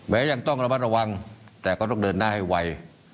ยังต้องระมัดระวังแต่ก็ต้องเดินหน้าให้ไว